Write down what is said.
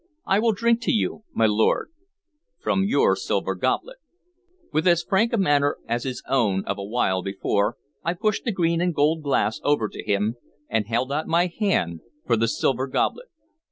I will drink to you, my lord, from your silver goblet." With as frank a manner as his own of a while before, I pushed the green and gold glass over to him, and held out my hand for the silver goblet.